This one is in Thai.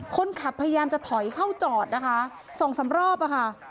คนขับพยายามจะถอยเข้าจอดนะคะ๒๓รอบค่ะ